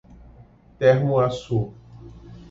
Termoaçu